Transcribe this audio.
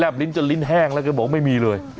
ลิ้นจนลิ้นแห้งแล้วก็บอกไม่มีเลย